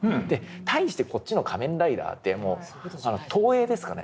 対してこっちの「仮面ライダー」ってもう東映ですからね